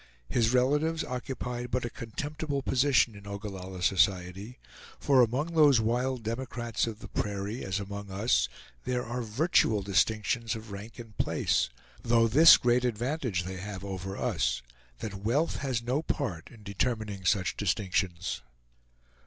His relatives occupied but a contemptible position in Ogallalla society; for among those wild democrats of the prairie, as among us, there are virtual distinctions of rank and place; though this great advantage they have over us, that wealth has no part in determining such distinctions.